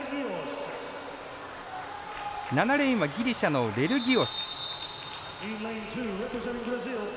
７レーンはギリシャのレルギオス。